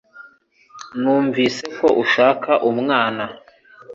Numvise ko ushaka umwana.